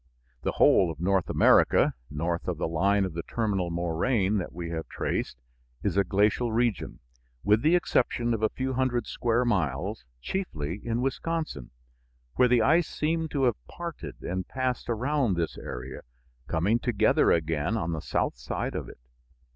The whole of North America north of the line of the terminal moraine that we have traced is a glacial region, with the exception of a few hundred square miles chiefly in Wisconsin, where the ice seemed to have parted and passed around this area, coming together again on the south side of it.